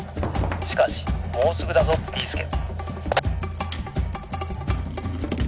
しかしもうすぐだぞビーすけ！」。